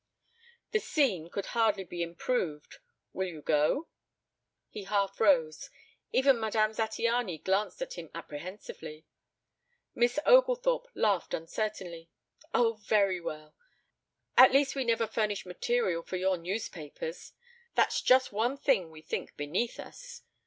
"The scene could hardly be improved. Will you go?" He half rose. Even Madame Zattiany glanced at him apprehensively. Miss Oglethorpe laughed uncertainly. "Oh, very well. At least we never furnish material for your newspapers. That's just one thing we think beneath us."